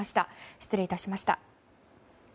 失礼いたしました。